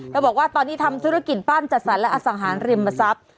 บอกว่าตอนนี้ทำธุรกิจปั้นจัดสรรและอสังหาริมทรัพย์